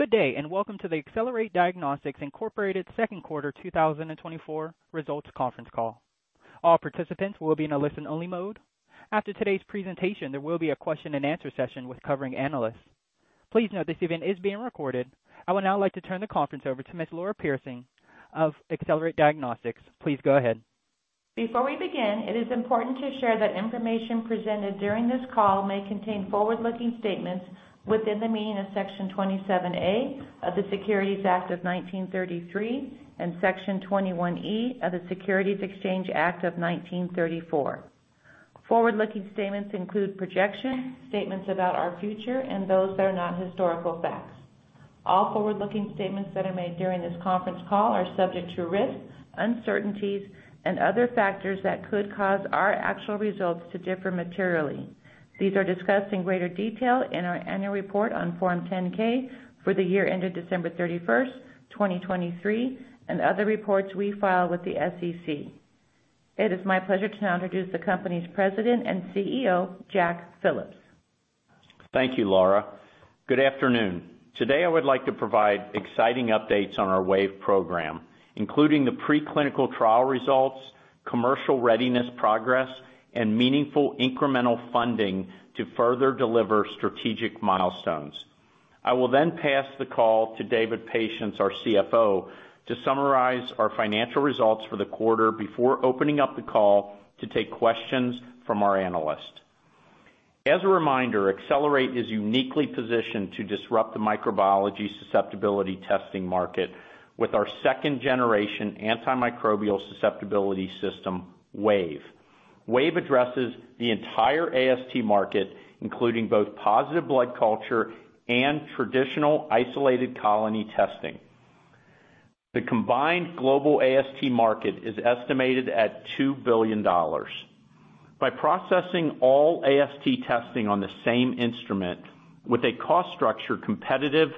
Good day, and welcome to the Accelerate Diagnostics Incorporated Second Quarter 2024 Results Conference Call. All participants will be in a listen-only mode. After today's presentation, there will be a question-and-answer session with covering analysts. Please note this event is being recorded. I would now like to turn the conference over to Ms. Laura Pierson of Accelerate Diagnostics. Please go ahead. Before we begin, it is important to share that information presented during this call may contain forward-looking statements within the meaning of Section 27A of the Securities Act of 1933 and Section 21E of the Securities Exchange Act of 1934. Forward-looking statements include projections, statements about our future, and those that are not historical facts. All forward-looking statements that are made during this conference call are subject to risks, uncertainties, and other factors that could cause our actual results to differ materially. These are discussed in greater detail in our annual report on Form 10-K for the year ended December 31, 2023, and other reports we file with the SEC. It is my pleasure to now introduce the company's President and CEO, Jack Phillips. Thank you, Laura. Good afternoon. Today, I would like to provide exciting updates on our Wave program, including the preclinical trial results, commercial readiness progress, and meaningful incremental funding to further deliver strategic milestones. I will then pass the call to David Patience, our CFO, to summarize our financial results for the quarter before opening up the call to take questions from our analysts. As a reminder, Accelerate is uniquely positioned to disrupt the microbiology susceptibility testing market with our second-generation antimicrobial susceptibility system, Wave. Wave addresses the entire AST market, including both positive blood culture and traditional isolated colony testing. The combined global AST market is estimated at $2 billion. By processing all AST testing on the same instrument with a cost structure competitive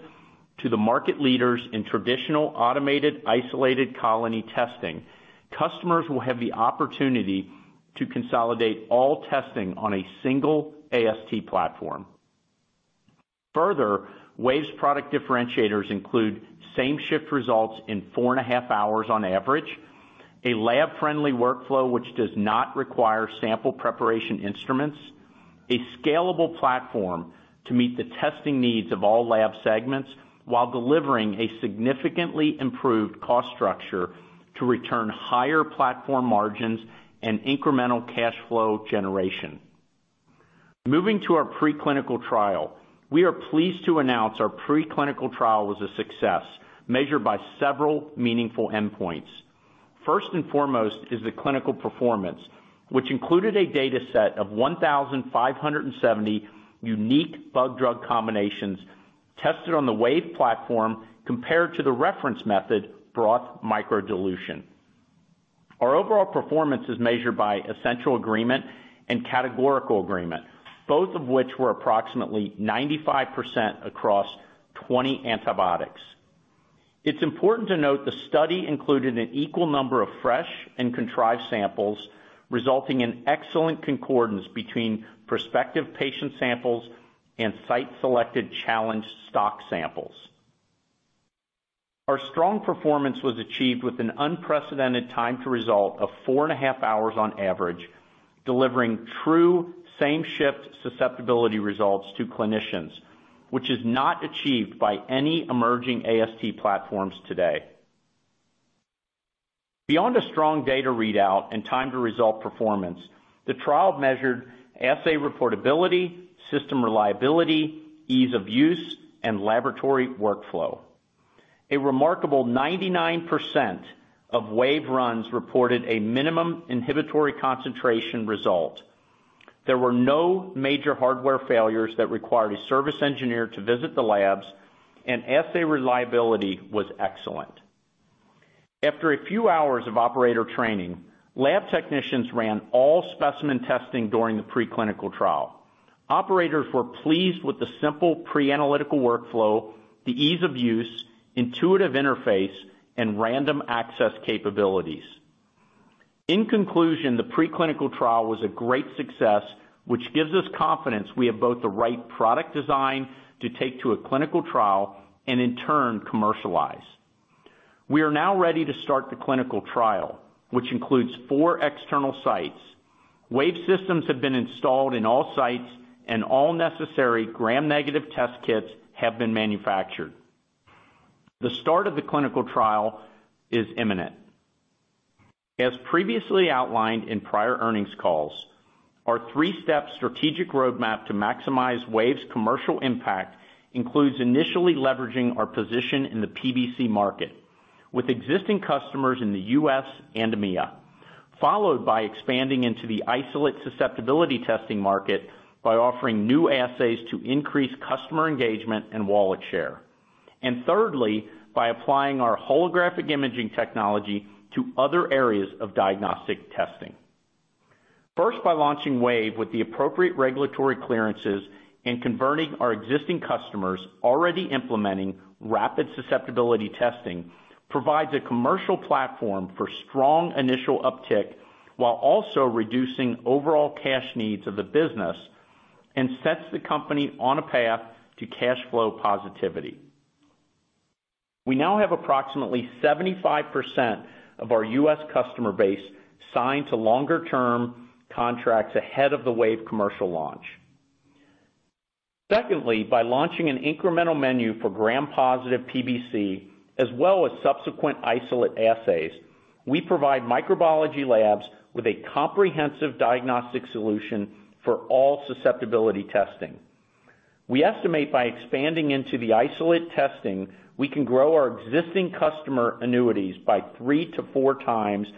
to the market leaders in traditional automated isolated colony testing, customers will have the opportunity to consolidate all testing on a single AST platform. Further, Wave's product differentiators include same-shift results in 4.5 hours on average, a lab-friendly workflow which does not require sample preparation instruments, a scalable platform to meet the testing needs of all lab segments while delivering a significantly improved cost structure to return higher platform margins and incremental cash flow generation. Moving to our preclinical trial. We are pleased to announce our preclinical trial was a success, measured by several meaningful endpoints. First and foremost is the clinical performance, which included a data set of 1,570 unique bug-drug combinations tested on the Wave platform compared to the reference method, broth microdilution. Our overall performance is measured by essential agreement and categorical agreement, both of which were approximately 95% across 20 antibiotics. It's important to note the study included an equal number of fresh and contrived samples, resulting in excellent concordance between prospective patient samples and site-selected challenge stock samples. Our strong performance was achieved with an unprecedented time to result of four and a half hours on average, delivering true same-shift susceptibility results to clinicians, which is not achieved by any emerging AST platforms today. Beyond a strong data readout and time-to-result performance, the trial measured assay reportability, system reliability, ease of use, and laboratory workflow. A remarkable 99% of Wave runs reported a minimum inhibitory concentration result. There were no major hardware failures that required a service engineer to visit the labs, and assay reliability was excellent. After a few hours of operator training, lab technicians ran all specimen testing during the preclinical trial. Operators were pleased with the simple pre-analytical workflow, the ease of use, intuitive interface, and random access capabilities. In conclusion, the preclinical trial was a great success, which gives us confidence we have both the right product design to take to a clinical trial and, in turn, commercialize. We are now ready to start the clinical trial, which includes four external sites. Wave systems have been installed in all sites, and all necessary Gram-negative test kits have been manufactured. The start of the clinical trial is imminent. As previously outlined in prior earnings calls, our three-step strategic roadmap to maximize Wave's commercial impact includes initially leveraging our position in the PBC market with existing customers in the U.S. and EMEA, followed by expanding into the isolate susceptibility testing market by offering new assays to increase customer engagement and wallet share, and thirdly, by applying our holographic imaging technology to other areas of diagnostic testing. First, by launching Wave with the appropriate regulatory clearances and converting our existing customers already implementing rapid susceptibility testing, provides a commercial platform for strong initial uptick, while also reducing overall cash needs of the business and sets the company on a path to cash flow positivity.... We now have approximately 75% of our U.S. customer base signed to longer-term contracts ahead of the Wave commercial launch. Secondly, by launching an incremental menu for Gram-positive PBC, as well as subsequent isolate assays, we provide microbiology labs with a comprehensive diagnostic solution for all susceptibility testing. We estimate by expanding into the isolate testing, we can grow our existing customer annuities by three-four times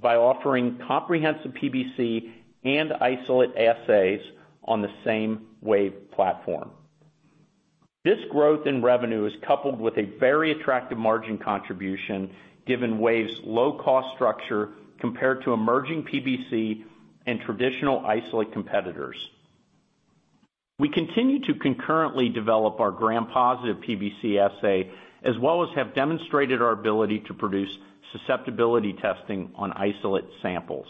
by offering comprehensive PBC and isolate assays on the same Wave platform. This growth in revenue is coupled with a very attractive margin contribution, given Wave's low-cost structure compared to emerging PBC and traditional isolate competitors. We continue to concurrently develop our Gram-positive PBC assay, as well as have demonstrated our ability to produce susceptibility testing on isolate samples.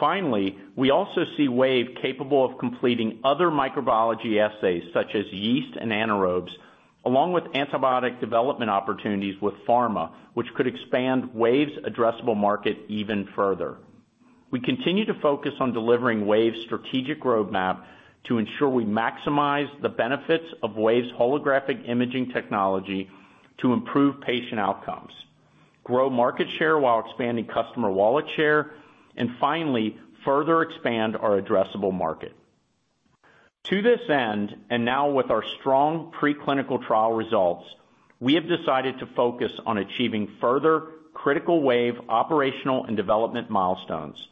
Finally, we also see Wave capable of completing other microbiology assays, such as yeast and anaerobes, along with antibiotic development opportunities with pharma, which could expand Wave's addressable market even further. We continue to focus on delivering Wave's strategic roadmap to ensure we maximize the benefits of Wave's holographic imaging technology to improve patient outcomes, grow market share while expanding customer wallet share, and finally, further expand our addressable market. To this end, and now with our strong preclinical trial results, we have decided to focus on achieving further critical Wave operational and development milestones.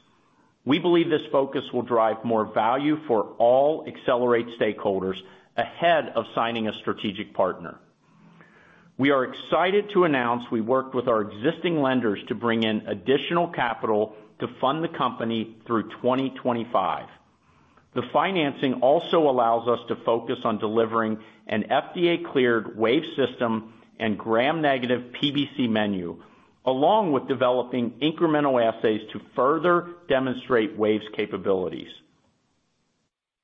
We believe this focus will drive more value for all Accelerate stakeholders ahead of signing a strategic partner. We are excited to announce we worked with our existing lenders to bring in additional capital to fund the company through 2025. The financing also allows us to focus on delivering an FDA-cleared Wave system and Gram-negative PBC menu, along with developing incremental assays to further demonstrate Wave's capabilities.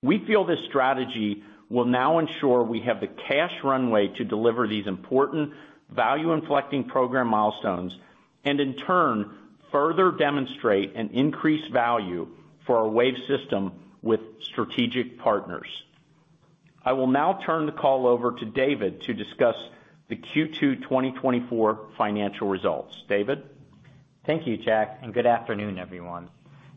We feel this strategy will now ensure we have the cash runway to deliver these important value-inflecting program milestones, and in turn, further demonstrate an increased value for our Wave system with strategic partners. I will now turn the call over to David to discuss the Q2 2024 financial results. David? Thank you, Jack, and good afternoon, everyone.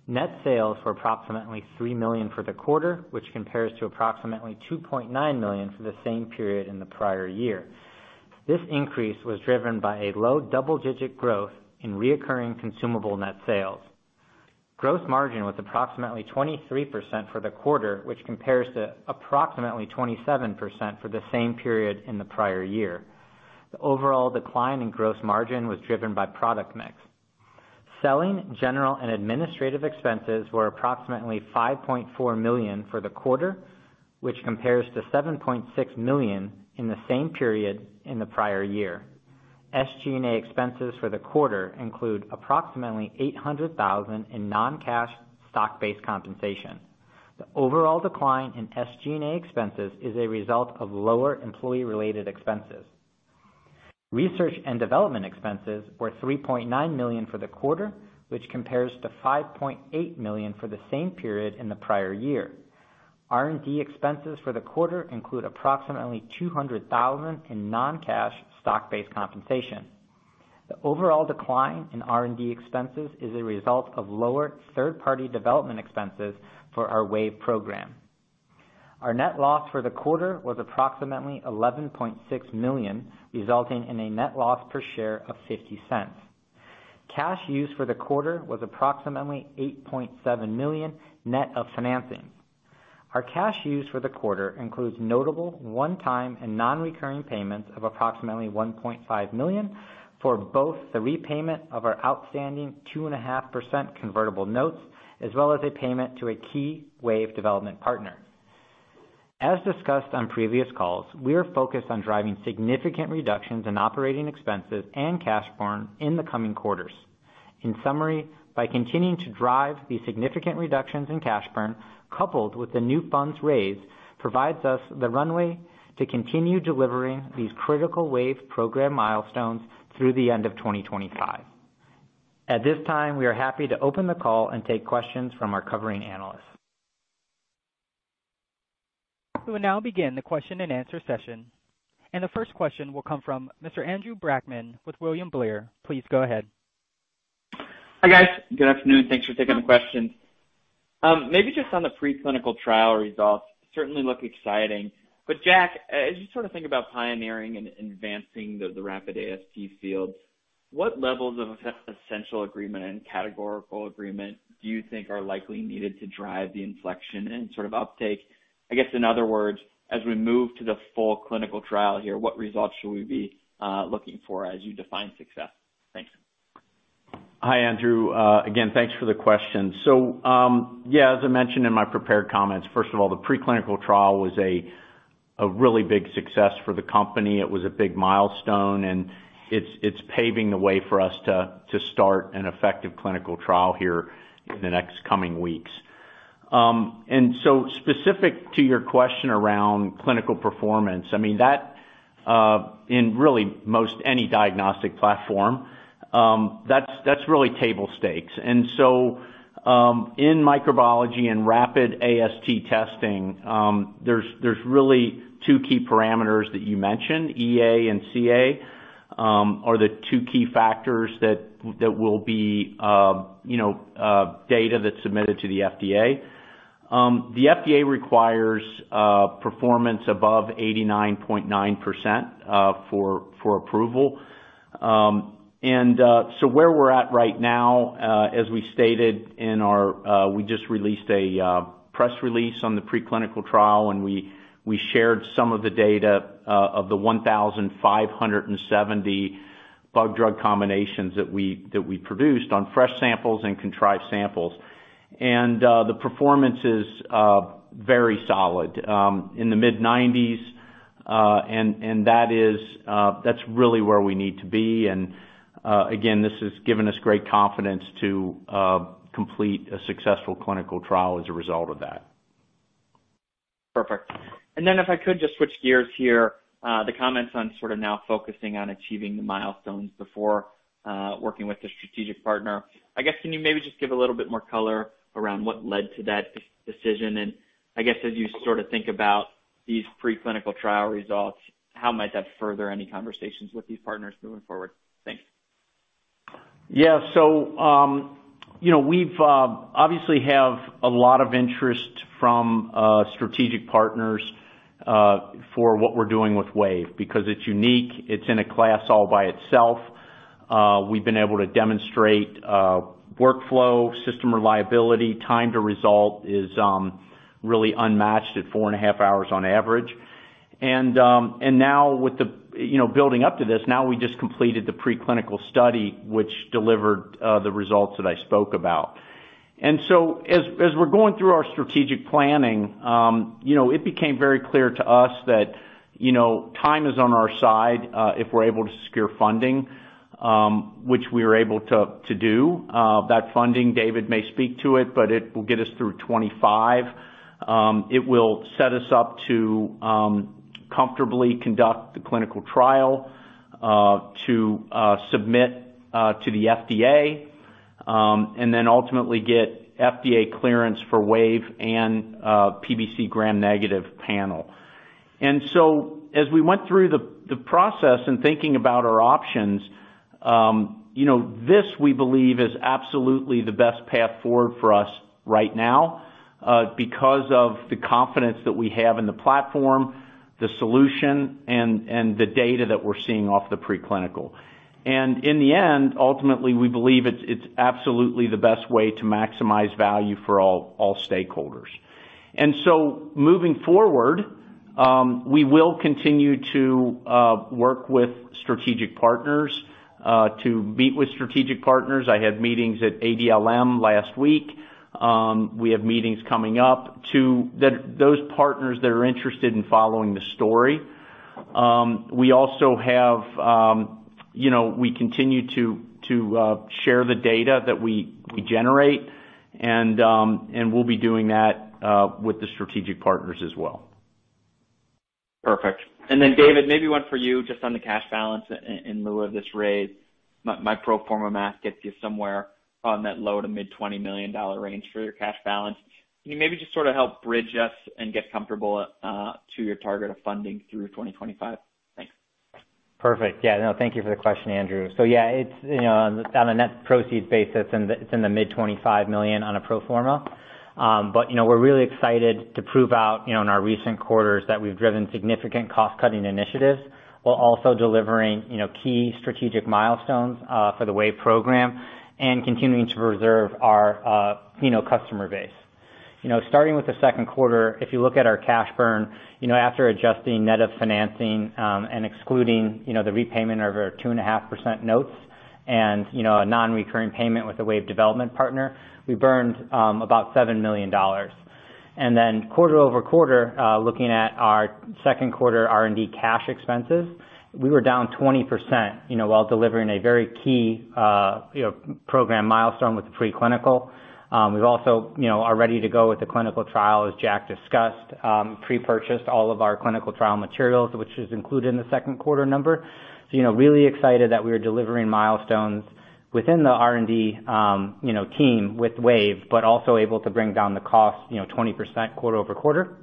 Net sales were approximately $3 million for the quarter, which compares to approximately $2.9 million for the same period in the prior year. This increase was driven by a low double-digit growth in recurring consumable net sales. Gross margin was approximately 23% for the quarter, which compares to approximately 27% for the same period in the prior year. The overall decline in gross margin was driven by product mix. Selling, general, and administrative expenses were approximately $5.4 million for the quarter, which compares to $7.6 million in the same period in the prior year. SG&A expenses for the quarter include approximately $800,000 in non-cash stock-based compensation. The overall decline in SG&A expenses is a result of lower employee-related expenses. Research and development expenses were $3.9 million for the quarter, which compares to $5.8 million for the same period in the prior year. R&D expenses for the quarter include approximately $200,000 in non-cash stock-based compensation. The overall decline in R&D expenses is a result of lower third-party development expenses for our Wave program. Our net loss for the quarter was approximately $11.6 million, resulting in a net loss per share of $0.50. Cash used for the quarter was approximately $8.7 million, net of financing. Our cash used for the quarter includes notable one-time and non-recurring payments of approximately $1.5 million for both the repayment of our outstanding 2.5% convertible notes, as well as a payment to a key Wave development partner. As discussed on previous calls, we are focused on driving significant reductions in operating expenses and cash burn in the coming quarters. In summary, by continuing to drive these significant reductions in cash burn, coupled with the new funds raised, provides us the runway to continue delivering these critical Wave program milestones through the end of 2025. At this time, we are happy to open the call and take questions from our covering analysts. We will now begin the question-and-answer session, and the first question will come from Mr. Andrew Brackmann with William Blair. Please go ahead. Hi, guys. Good afternoon. Thanks for taking the questions. Maybe just on the preclinical trial results, certainly look exciting. But Jack, as you sort of think about pioneering and advancing the rapid AST field, what levels of essential agreement and categorical agreement do you think are likely needed to drive the inflection and sort of uptake? I guess, in other words, as we move to the full clinical trial here, what results should we be looking for as you define success? Thanks. Hi, Andrew. Again, thanks for the question. So, yeah, as I mentioned in my prepared comments, first of all, the preclinical trial was a really big success for the company. It was a big milestone, and it's paving the way for us to start an effective clinical trial here in the next coming weeks. And so specific to your question around clinical performance, I mean, that in really most any diagnostic platform, that's really table stakes. And so, in microbiology and rapid AST testing, there's really two key parameters that you mentioned, EA and CA, are the two key factors that will be, you know, data that's submitted to the FDA. The FDA requires performance above 89.9%, for approval. So where we're at right now, as we stated in our... We just released a press release on the preclinical trial, and we shared some of the data of the 1,570 bug-drug combinations that we produced on fresh samples and contrived samples. And, the performance is very solid, in the mid-nineties, and that is, that's really where we need to be. And, again, this has given us great confidence to complete a successful clinical trial as a result of that. Perfect. And then if I could just switch gears here, the comments on sort of now focusing on achieving the milestones before working with a strategic partner. I guess, can you maybe just give a little bit more color around what led to that decision? And I guess, as you sort of think about these preclinical trial results, how might that further any conversations with these partners moving forward? Thanks. Yeah. So, you know, we've obviously have a lot of interest from strategic partners for what we're doing with Wave, because it's unique, it's in a class all by itself. We've been able to demonstrate workflow, system reliability, time to result is really unmatched at four and a half hours on average. And now with the, you know, building up to this, now we just completed the preclinical study, which delivered the results that I spoke about. And so as we're going through our strategic planning, you know, it became very clear to us that, you know, time is on our side if we're able to secure funding, which we are able to do. That funding, David may speak to it, but it will get us through 2025. It will set us up to comfortably conduct the clinical trial to submit to the FDA and then ultimately get FDA clearance for Wave and PBC gram-negative panel. And so, as we went through the process and thinking about our options, you know, this, we believe, is absolutely the best path forward for us right now because of the confidence that we have in the platform, the solution, and the data that we're seeing off the preclinical. And in the end, ultimately, we believe it's absolutely the best way to maximize value for all stakeholders. And so moving forward, we will continue to work with strategic partners to meet with strategic partners. I had meetings at ADLM last week. We have meetings coming up to... That those partners that are interested in following the story. We also have, you know, we continue to share the data that we generate, and we'll be doing that with the strategic partners as well. Perfect. And then, David, maybe one for you, just on the cash balance in lieu of this raise. My, my pro forma math gets you somewhere on that low- to mid-$20 million range for your cash balance. Can you maybe just sort of help bridge us and get comfortable to your target of funding through 2025? Thanks. Perfect. Yeah, no, thank you for the question, Andrew. So yeah, it's, you know, on the net proceeds basis, and it's in the mid-$25 million on a pro forma. But, you know, we're really excited to prove out, you know, in our recent quarters that we've driven significant cost-cutting initiatives, while also delivering, you know, key strategic milestones, for the Wave program and continuing to reserve our, you know, customer base. You know, starting with the second quarter, if you look at our cash burn, you know, after adjusting net of financing, and excluding, you know, the repayment of our 2.5% notes and, you know, a non-recurring payment with the Wave development partner, we burned, about $7 million. And then quarter-over-quarter, looking at our second quarter R&D cash expenses, we were down 20%, you know, while delivering a very key, you know, program milestone with the preclinical. We've also, you know, are ready to go with the clinical trial, as Jack discussed, pre-purchased all of our clinical trial materials, which is included in the second quarter number. So, you know, really excited that we are delivering milestones within the R&D, you know, team with Wave, but also able to bring down the cost, you know, 20% quarter-over-quarter.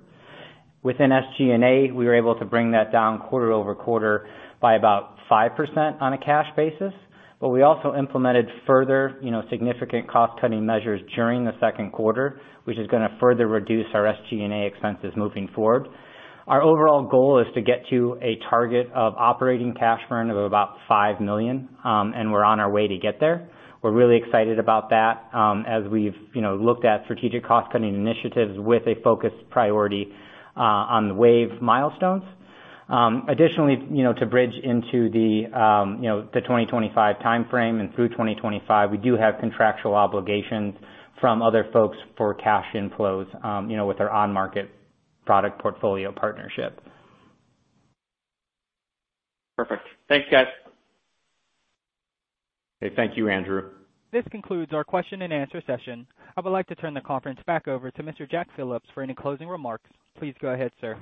Within SG&A, we were able to bring that down quarter-over-quarter by about 5% on a cash basis, but we also implemented further, you know, significant cost-cutting measures during the second quarter, which is gonna further reduce our SG&A expenses moving forward. Our overall goal is to get to a target of operating cash burn of about $5 million, and we're on our way to get there. We're really excited about that, as we've, you know, looked at strategic cost-cutting initiatives with a focused priority on the Wave milestones. Additionally, you know, to bridge into the, you know, the 2025 timeframe and through 2025, we do have contractual obligations from other folks for cash inflows, you know, with our on-market product portfolio partnership.... Perfect. Thanks, guys. Okay, thank you, Andrew. This concludes our question and answer session. I would like to turn the conference back over to Mr. Jack Phillips for any closing remarks. Please go ahead, sir.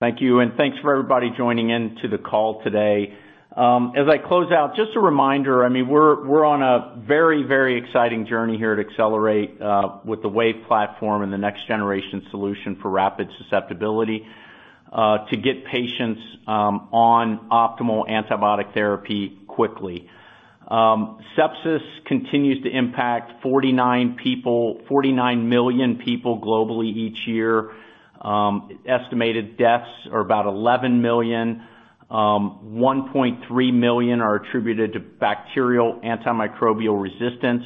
Thank you, and thanks for everybody joining in to the call today. As I close out, just a reminder, I mean, we're on a very, very exciting journey here at Accelerate, with the Wave platform and the next generation solution for rapid susceptibility, to get patients on optimal antibiotic therapy quickly. Sepsis continues to impact 49 people-49 million people globally each year. Estimated deaths are about 11 million. 1.3 million are attributed to bacterial antimicrobial resistance.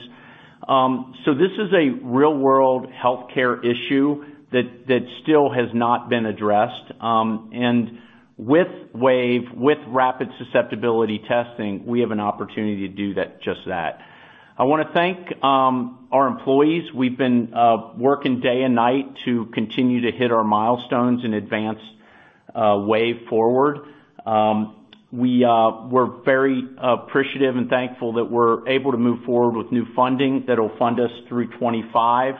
So this is a real-world healthcare issue that still has not been addressed. And with Wave, with rapid susceptibility testing, we have an opportunity to do that, just that. I wanna thank our employees. We've been working day and night to continue to hit our milestones and advance Wave forward. We, we're very appreciative and thankful that we're able to move forward with new funding that will fund us through 2025.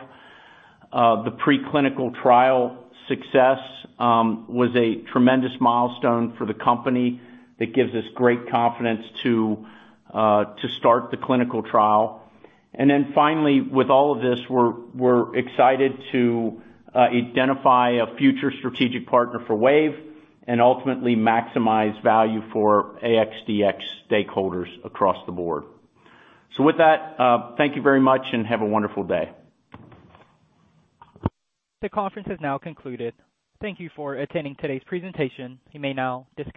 The preclinical trial success was a tremendous milestone for the company. It gives us great confidence to, to start the clinical trial. And then finally, with all of this, we're, we're excited to, identify a future strategic partner for Wave and ultimately maximize value for AXDX stakeholders across the board. So with that, thank you very much and have a wonderful day. The conference has now concluded. Thank you for attending today's presentation. You may now disconnect.